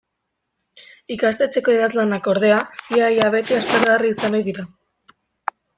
Ikastetxeko idazlanak, ordea, ia-ia beti aspergarri izan ohi dira.